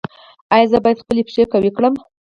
ایا زه باید خپل پښې قوي کړم؟